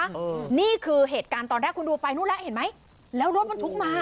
อืมนี่คือเหตุการณ์ตอนแรกคุณดูไปนู่นแล้วเห็นไหมแล้วรถบรรทุกมา